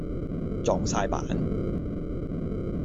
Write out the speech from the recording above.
撞哂板